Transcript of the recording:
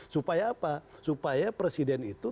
supaya apa supaya presiden itu